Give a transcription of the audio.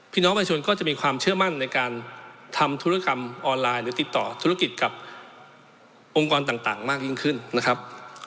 พี่น้องประชาชนก็จะมีความเชื่อมั่นในการทำธุรกรรมออนไลน์หรือติดต่อธุรกิจกับองค์กรต่างมากยิ่งขึ้นนะครับ